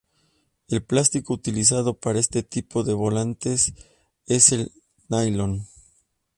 El plástico utilizado para este tipo de volantes es el nylon.